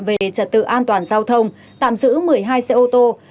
về trật tự an toàn giao thông tạm giữ một mươi hai xe ô tô